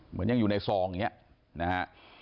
เหมือนยังอยู่ในซองอย่างนี้นะฮะ